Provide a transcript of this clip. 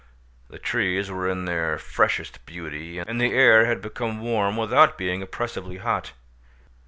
The trees were in their freshest beauty, and the air had become warm without being oppressively hot.